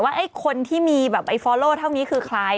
ว่าคนที่มีแบบไฟฟอร์โล่เท่านี้คือใคร